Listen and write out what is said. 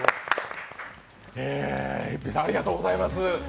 ＨＩＰＰＹさん、ありがとうございます。